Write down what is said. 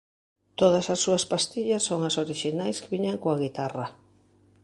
Todas as súas pastillas son as orixinais que viñan coa guitarra.